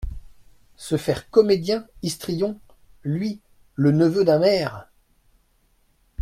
Se faire comédien, histrion ! lui, le neveu d’un maire !…